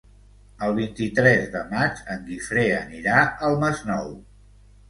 El vint-i-tres de maig en Guifré anirà al Masnou.